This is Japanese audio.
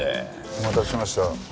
お待たせしました。